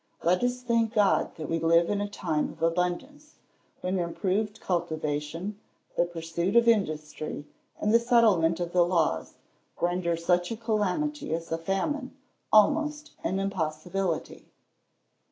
Let us thank God that we live in times of abundance, when improved cultivation, the pursuit of industry, and the settlement of the laws, render such a calamity as a famine almost an impossibility.